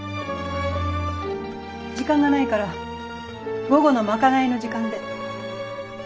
時間がないから午後の賄いの時間で。